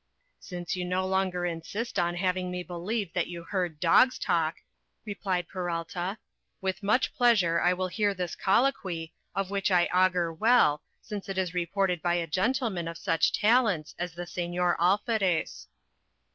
"Since you no longer insist on having me believe that you heard dogs talk," replied Peralta, "with much pleasure I will hear this colloquy, of which I augur well, since it is reported by a gentlemen of such talents as the Señor Alferez."